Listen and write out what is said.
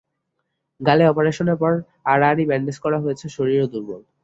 গালে অপারেশনের পর আড়াআড়ি ব্যান্ডেজ করা হয়েছে, শরীরও দুর্বল।